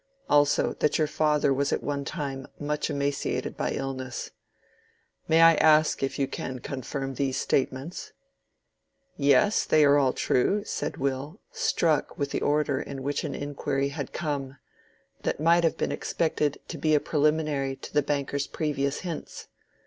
Also, that your father was at one time much emaciated by illness. May I ask if you can confirm these statements?" "Yes, they are all true," said Will, struck with the order in which an inquiry had come, that might have been expected to be preliminary to the banker's previous hints.